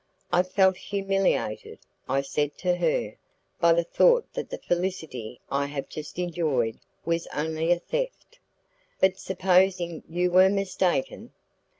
"I feel humiliated," I said to her, "by the thought that the felicity I have just enjoyed was only a theft." "But supposing you were mistaken?"